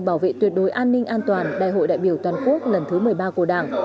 bảo vệ tuyệt đối an ninh an toàn đại hội đại biểu toàn quốc lần thứ một mươi ba của đảng